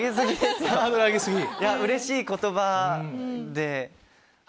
うれしい言葉ではい。